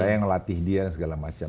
saya ngelatih dia dan segala macam